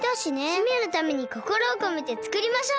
姫のためにこころをこめてつくりましょう。